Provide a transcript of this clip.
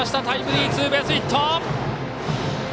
タイムリーツーベースヒット！